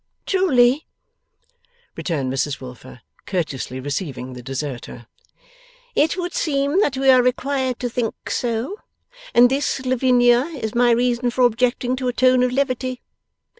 'Truly,' returned Mrs Wilfer, courteously receiving the deserter, 'it would seem that we are required to think so. And this, Lavinia, is my reason for objecting to a tone of levity.